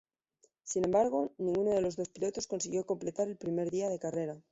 Sin embargo ninguno de los dos pilotos consiguió completar el primer día de carrera.